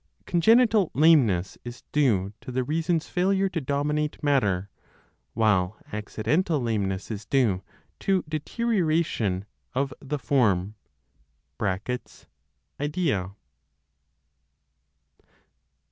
Congenital lameness is due to the reason's failure to dominate matter, while accidental lameness is due to deterioration of the form (idea?).